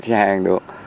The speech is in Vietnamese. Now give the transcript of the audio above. xí hàng được